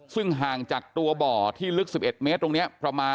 ซึ่งห่างจากตัวบ่อที่ลึก๑๑เมตรตรงนี้ประมาณ